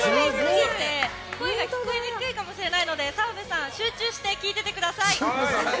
声が聞こえにくいかもしれないので澤部さん、集中して聞いていてください。